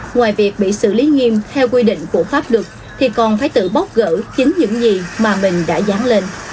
ngoài việc bị xử lý nghiêm theo quy định của pháp luật thì còn phải tự bóc gỡ chính những gì mà mình đã dán lên